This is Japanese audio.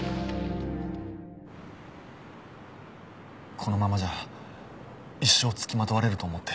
このままじゃ一生付きまとわれると思って。